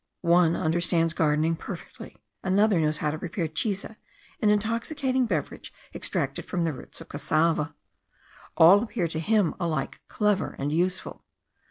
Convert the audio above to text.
One understands gardening perfectly; another knows how to prepare chiza, an intoxicating beverage extracted from the root of cassava; all appear to him alike clever and useful.